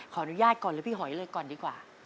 ขออนุญาตก่อนเลยพี่หอยเลยก่อนดีกว่า